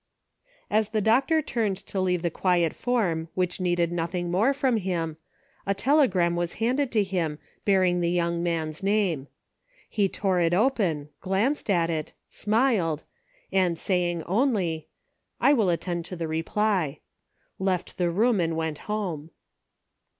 As the doctor turned to leave the quiet form which needed nothing more from him, a telegram was handed him bearing the young man's name. He tore it open, glanced at it, smiled, and saying only, " I will attend to the reply," left the room and went home.